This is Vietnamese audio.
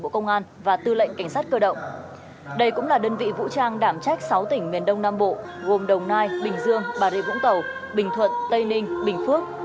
các tỉnh miền đông nam bộ gồm đồng nai bình dương bà rịa vũng tàu bình thuận tây ninh bình phước